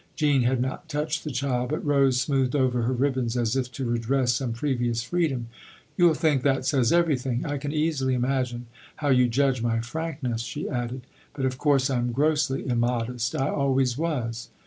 Jean had riot touched the child, but Rose smoothed our her ribbons as if to redress some previous freedom. " You'll think that says everything. I can easily imagine how you judge my frankness," she added. " But of course I'm grossly immodest I always was."